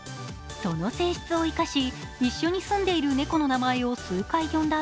その性質を生かし、一緒に住んでいる猫の名前を数回呼んだ